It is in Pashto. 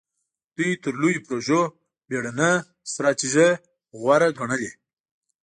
دوی تر لویو پروژو بېړنۍ ستراتیژۍ غوره ګڼلې.